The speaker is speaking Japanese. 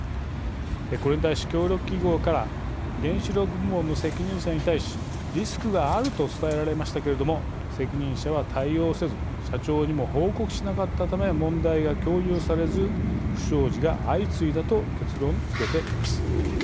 これに対し協力企業から原子力部門の責任者に対しリスクがあると伝えられましたけれども責任者は対応せず社長にも報告しなかったため問題が共有されず不祥事が相次いだと結論づけています。